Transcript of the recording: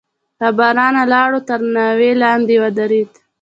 له بارانه لاړو، تر ناوې لاندې ودرېدو.